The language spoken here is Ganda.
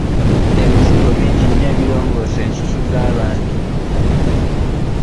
Ebizigo bingi nnyo ebirongosa ensusu z'abantu.